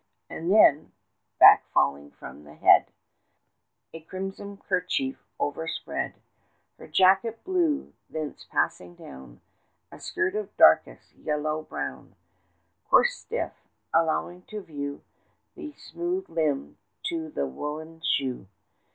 And then, back falling from the head, A crimson kerchief overspread Her jacket blue; thence passing down, 30 A skirt of darkest yellow brown, Coarse stuff, allowing to the view The smooth limb to the woollen shoe.